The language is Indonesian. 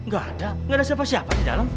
gak ada gak ada siapa siapa di dalem